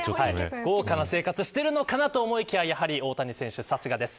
豪華な生活をしているのかと思いきや大谷選手、さすがです。